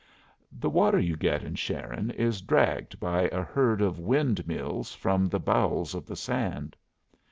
The water you get in Sharon is dragged by a herd of wind wheels from the bowels of the sand.